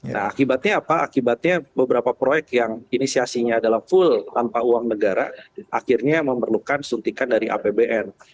nah akibatnya apa akibatnya beberapa proyek yang inisiasinya adalah full tanpa uang negara akhirnya memerlukan suntikan dari apbn